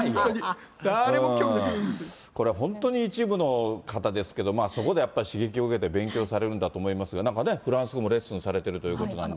これ、本当に一部の方ですけど、そこでやっぱり刺激を受けて勉強されるんだと思いますが、なんかね、フランス語もレッスンされてるということなんで。